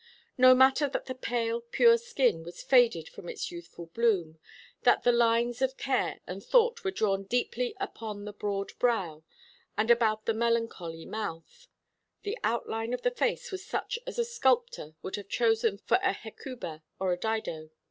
No matter that the pale pure skin was faded from its youthful bloom, that the lines of care and thought were drawn deeply upon the broad brow and about the melancholy mouth: the outline of the face was such as a sculptor would have chosen for a Hecuba or a Dido.